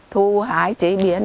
thu hái chế biến